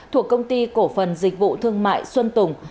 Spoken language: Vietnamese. thuộc công ty cổ phần dịch vụ thương mại xuân tùng